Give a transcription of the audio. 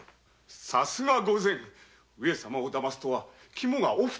さすが御前上様をだますとは肝がお太い！